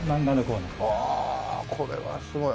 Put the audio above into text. うわこれはすごい。